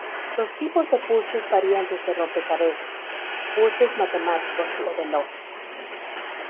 Los tipos de puzzles varían desde rompecabezas, puzzles matemáticos o de lógica.